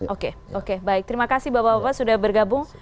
oke oke baik terima kasih bapak bapak sudah bergabung